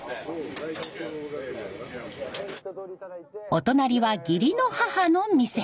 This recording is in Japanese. お隣は義理の母の店。